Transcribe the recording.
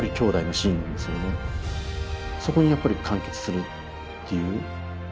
そこにやっぱり完結するっていう。